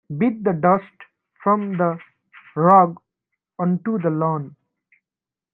Beat the dust from the rug onto the lawn.